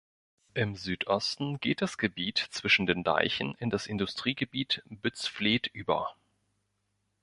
Im Südosten geht das Gebiet zwischen den Deichen in das Industriegebiet Bützfleth über.